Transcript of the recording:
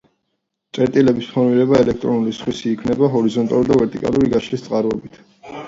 წერტილების ფორმირება ელექტრული სხივით იქმნება ჰორიზონტალური და ვერტიკალური გაშლის წყალობით.